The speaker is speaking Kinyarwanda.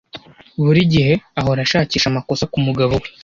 Buri gihe ahora ashakisha amakosa kumugabo we.